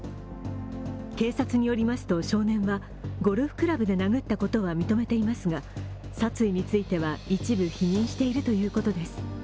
警察によりますと少年はゴルフクラブで殴ったことは認めていますが、殺意については一部否認しているということです。